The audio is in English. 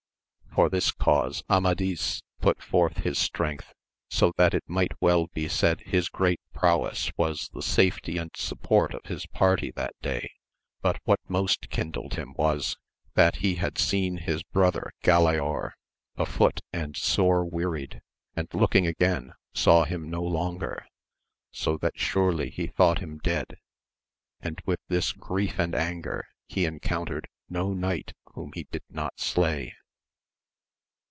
For this cause Amadifi put forth his strength, so that it might well be said his great prowess was the safety and support of his party that day; but what most kindled him was, tiiat he had seen his brother Galaor afoot and 68 AMADIS OF GAUL sore wearied, and looking again saw him no longer, so that surely he thought him dead, and with this grief and anger he encountered no knight whom he did not slay.